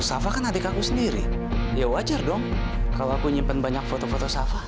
safa kan adik aku sendiri ya wajar dong kalau aku nyimpen banyak foto foto safah